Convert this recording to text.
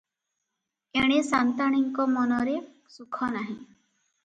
ଏଣେ ସା’ନ୍ତାଣୀଙ୍କ ମନରେ ସୁଖ ନାହିଁ ।